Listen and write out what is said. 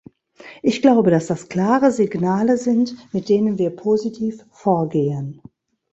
Ich glaube, dass das klare Signale sind, mit denen wir positiv vorgehen.